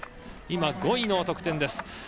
今、５位の得点です。